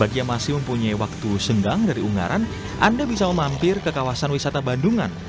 bagi yang masih mempunyai waktu sendang dari ungaran anda bisa memampir ke kawasan wisata bandungan